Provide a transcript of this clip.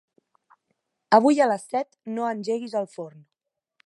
Avui a les set no engeguis el forn.